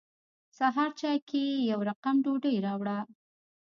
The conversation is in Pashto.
سهار چای کې یې يو رقم ډوډۍ راوړه.